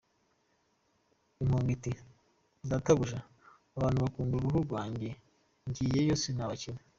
Impongo iti « databuja, abantu bakunda uruhu rwanjye, ngiyeyo sinabakira.